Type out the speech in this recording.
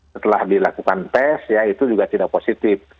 setelah dilakukan tes ya itu juga tidak positif